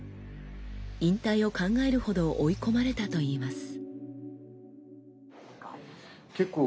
引退を考えるほど追い込まれたといいます。